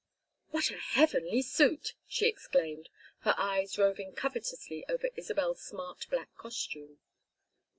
"What a heavenly suit!" she exclaimed, her eyes roving covetously over Isabel's smart black costume.